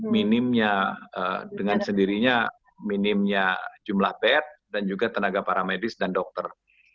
minimnya dengan sendirinya minimnya jumlah bed dan juga tenaga para medis dan dokter